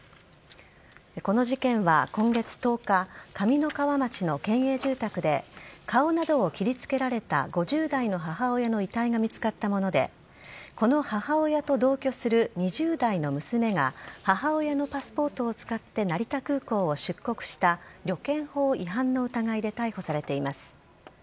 この事件は今月１０日上三川町の県営住宅で顔などを切りつけられた５０代の母親の遺体が見つかったものでこの母親と同居する２０代の娘が母親のパスポートを使って成田空港を出国した旅券法違反の疑いで逮捕されています。